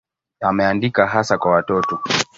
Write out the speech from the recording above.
Ameandika hasa kwa watoto.